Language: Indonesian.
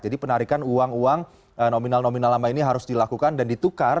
jadi penarikan uang uang nominal nominal lama ini harus dilakukan dan ditukar